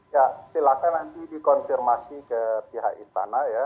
ya silahkan nanti dikonfirmasi ke pihak istana ya